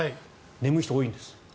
眠い人、多いんです。